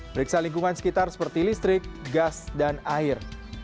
periksa lingkungan sekitar seperti listrik gas dan air